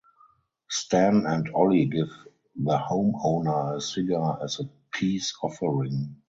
Stan and Ollie give the homeowner a cigar as a peace offering.